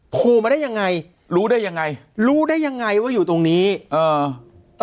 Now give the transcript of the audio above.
ภูมาได้ยังไงรู้ได้ยังไงรู้ได้ยังไงว่าอยู่ตรงนี้เออ